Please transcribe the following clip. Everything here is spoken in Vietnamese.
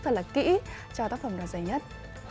thật là kỹ cho tác phẩm đó dày nhất